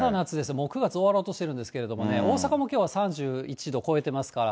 もう９月終わろうとしてるんですけれども、大阪もきょうは３１度超えてますから。